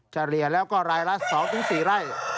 จะเรียนแล้วก็รายละ๒๔ไร่